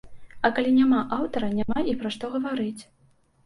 А калі няма аўтара, няма і пра што гаварыць.